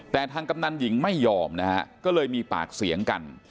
แต่ทางกำนันหญิงไม่ยอมนะฮะก็เลยมีปากเสียงกัน